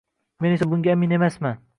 men esa bunga amin emasman.